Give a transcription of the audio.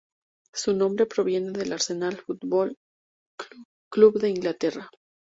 Su nombre proviene del Arsenal Football Club de Inglaterra.